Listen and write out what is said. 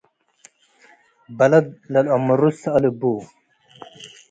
በለድ ለልአምሩ ትሰአል እቡ።